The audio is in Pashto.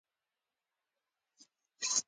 پیاله د انتظار شېبې شمېري.